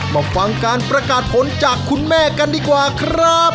มาฟังการประกาศผลจากคุณแม่กันดีกว่าครับ